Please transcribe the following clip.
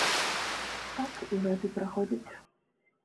Так, і гады праходзяць.